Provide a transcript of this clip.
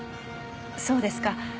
そうですか。